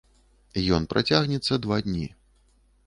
Ён працягнецца два дні.